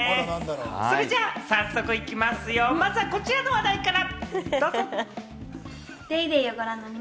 それじゃあ早速いきますよ、まずはこちらの話題から。